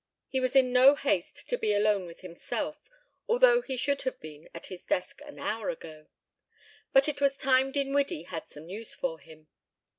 He was in no haste to be alone with himself, although he should have been at his desk an hour ago. But it was time Dinwiddie had some news for him.